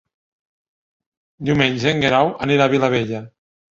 Diumenge en Guerau anirà a Vilabella.